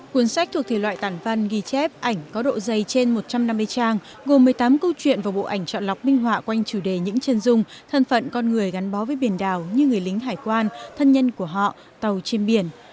cuốn sách thuộc thể loại tản văn ghi chép ảnh có độ dày trên một trăm năm mươi trang gồm một mươi tám câu chuyện và bộ ảnh chọn lọc minh họa quanh chủ đề những chân dung thân phận con người gắn bó với biển đảo như người lính hải quan thân nhân của họ tàu trên biển